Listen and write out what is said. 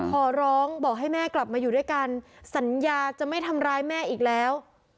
ขอร้องบอกให้แม่กลับมาอยู่ด้วยกันสัญญาจะไม่ทำร้ายแม่อีกแล้ว